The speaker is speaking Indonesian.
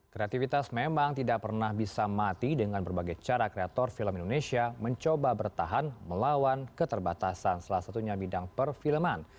kreativitas memang tidak pernah bisa mati dengan berbagai cara kreator film indonesia mencoba bertahan melawan keterbatasan salah satunya bidang perfilman